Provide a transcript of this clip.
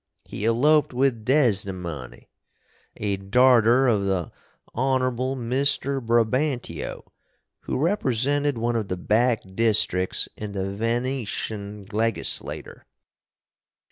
He eloped with Desdemony, a darter of the Hon. Mr. Brabantio, who represented one of the back districks in the Veneshun legislater.